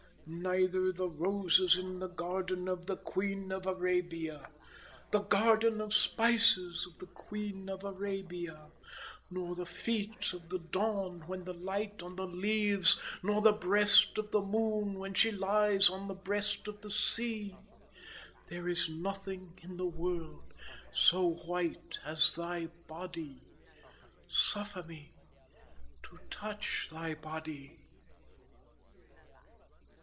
Neither the roses in the garden of the Queen of Arabia, the garden of spices of the Queen of Arabia, nor the feet of the dawn when they light on the leaves, nor the breast of the moon when she lies on the breast of the sea… There is nothing in the world so white as thy body. Suffer me to touch thy body."